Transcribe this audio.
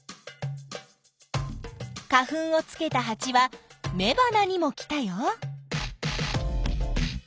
花粉をつけたハチはめばなにも来たよ。